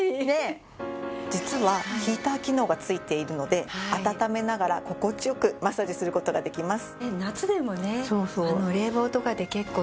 実はヒーター機能が付いているので温めながら心地良くマッサージする事ができます。